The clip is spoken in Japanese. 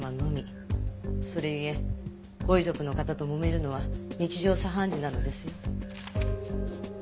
それゆえご遺族の方ともめるのは日常茶飯事なのですよ。